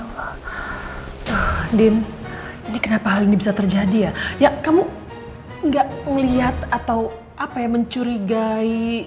nah dim ini kenapa hal ini bisa terjadi ya ya kamu enggak melihat atau apa ya mencurigai